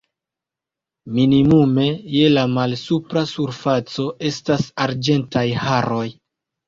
Minimume je la malsupra surfaco estas arĝentaj haroj.